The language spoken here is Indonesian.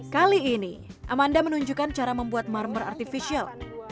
kali ini amanda menunjukkan cara membuat marmer artificial